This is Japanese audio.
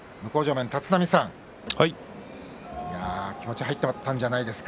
立浪さん、気持ちが入ったんじゃないですか？